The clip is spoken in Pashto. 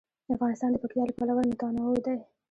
افغانستان د پکتیا له پلوه متنوع دی.